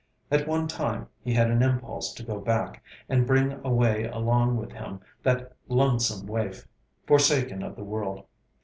At one time he had an impulse to go back, and bring away along with him that lonesome waif, forsaken of the world.